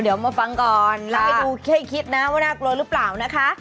เดี๋ยวมาฟังก่อนแล้วให้ดูค่อยคิดนะว่าน่ากลัวหรือเปล่านะคะ